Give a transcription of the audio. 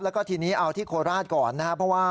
แล้วก็ทีนี้เอาที่โคลราชก่อนนะฮะ